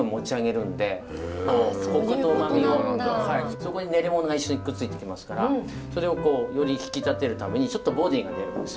そこに練り物が一緒にくっついてきますからそれをより引き立てるためにちょっとボディーが出るんです。